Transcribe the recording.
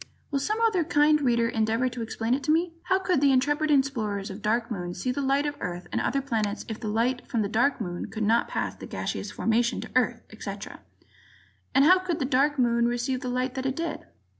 Will some other kind Reader endeavor to explain it to me? How could the intrepid explorers on the Dark Moon see the light of Earth and the other planets if the light from the Dark Moon could not pass the gaseous formation to Earth, etc.? And how could the Dark Moon receive the light that it did?